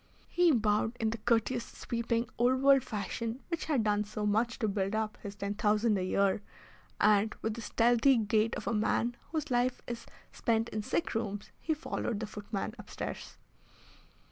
He bowed in the courteous, sweeping, old world fashion which had done so much to build up his ten thousand a year, and, with the stealthy gait of a man whose life is spent in sick rooms, he followed the footman upstairs.